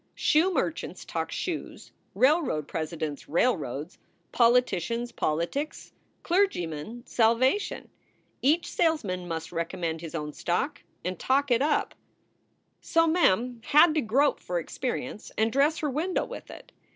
Shoe merchants talk shoes: railroad presidents, railroads; poli ticians, politics; clergymen, salvation. Each salesman must recommend his own stock and talk it up. So Mem had to grope for experience and dress her window with it.